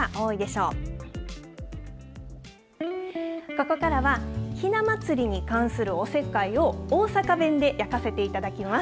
ここからは、ひな祭りに関するおせっかいを、大阪弁で焼かせていただきます。